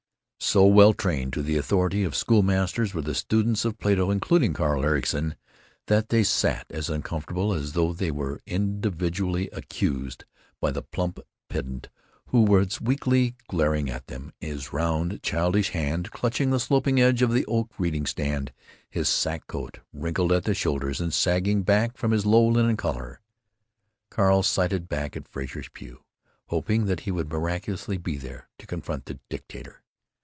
So well trained to the authority of schoolmasters were the students of Plato, including Carl Ericson, that they sat as uncomfortable as though they were individually accused by the plump pedant who was weakly glaring at them, his round, childish hand clutching the sloping edge of the oak reading stand, his sack coat wrinkled at the shoulders and sagging back from his low linen collar. Carl sighted back at Frazer's pew, hoping that he would miraculously be there to confront the dictator.